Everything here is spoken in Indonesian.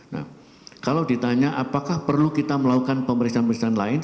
nah kalau ditanya apakah perlu kita melakukan pemeriksaan pemeriksaan lain